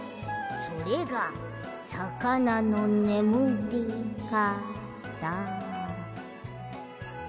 それがさかなのねむりかた。